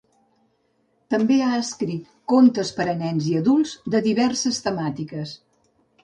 També ha escrit contes per a nens i adults de diverses temàtiques.